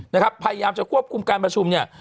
พยายามจะควบคุมการประชุมเนี่ย